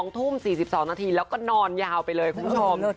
๒ทุ่ม๔๒นาทีแล้วก็นอนยาวไปเลยคุณผู้ชม